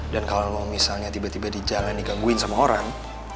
dan kalo lo misalnya tiba tiba di jalan digangguin sama orang